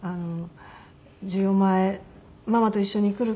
「樹里お前ママと一緒に来るか？」